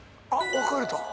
分かれた。